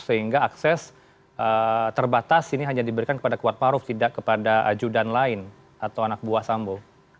sehingga akses terbatas ini hanya diberikan kepada kuat maruf tidak kepada aju dan lain atau anak buah sambo